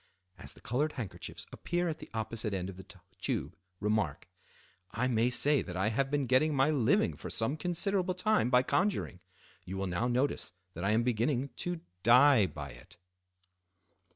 As the colored handkerchiefs appear at the opposite end of the tube, remark:—"I may say that I have been getting my living for some considerable time by conjuring. You will now notice that I am beginning to dye by it."